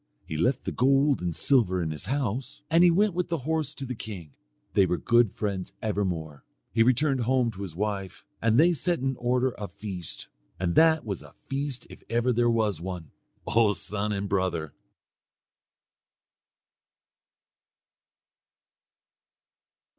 He left the gold and silver in his house, and he went with the horse to the king. They were good friends evermore. He returned home to his wife, and they set in order a feast; and that was a feast if ever there was one, O son and brother.